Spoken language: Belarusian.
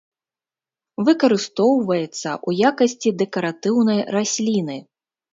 Выкарыстоўваецца ў якасці дэкаратыўнай расліны.